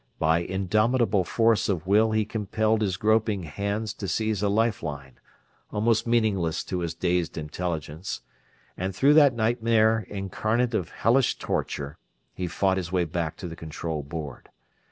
By indomitable force of will he compelled his groping hands to seize a life line, almost meaningless to his dazed intelligence; and through that nightmare incarnate of hellish torture he fought his way back to the control board.